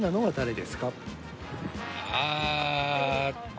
ああ。